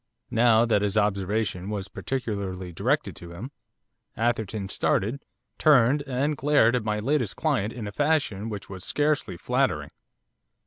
Now that his observation was particularly directed to him, Atherton started, turned, and glared at my latest client in a fashion which was scarcely flattering.